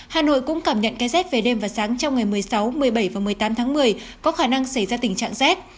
hà nội cũng cảm nhận cái rét về đêm và sáng trong ngày một mươi sáu một mươi bảy và một mươi tám tháng một mươi có khả năng xảy ra tình trạng rét